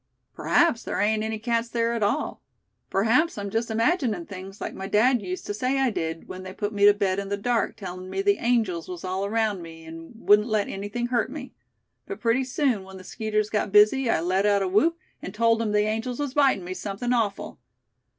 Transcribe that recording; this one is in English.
P'raps there ain't any cats there at all. P'raps I'm just imaginin' things, like my dad used to say I did, when they put me to bed in the dark, tellin' me the angels was all around me, an' wouldn't let anything hurt me; but pretty soon, when the skeeters got busy, I let out a whoop, and told 'em the angels was bitin' me something awful.